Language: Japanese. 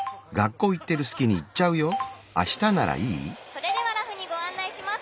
「それではラフにご案内します。